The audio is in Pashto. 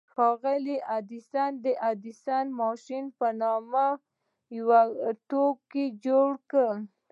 ښاغلي ايډېسن د ايډېسن ماشين په نامه يو توکی جوړ کړ.